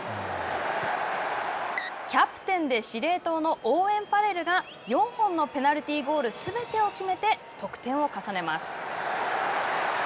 キャプテンで司令塔のオーウェン・ファレルが４本のペナルティーゴールすべてを決めて得点を重ねます。